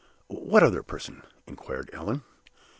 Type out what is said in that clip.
"What other person?" inquired Allan.